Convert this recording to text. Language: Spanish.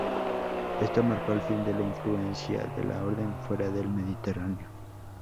Esto marcó el fin de la influencia de la Orden fuera del Mediterráneo.